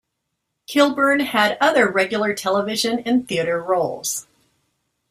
Kilburn had other regular television and theatre roles.